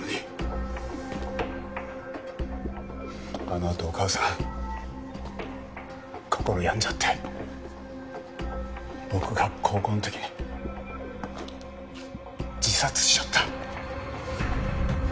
あのあとお母さん心病んじゃって僕が高校の時に自殺しちゃった。